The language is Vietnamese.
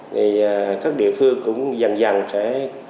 thì các địa phương cũng dần dần sẽ